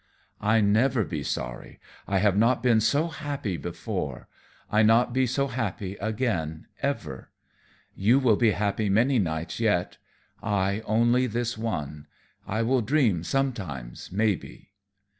"I never be sorry. I have not been so happy before. I not be so happy again, ever. You will be happy many nights yet, I only this one. I will dream sometimes, maybe."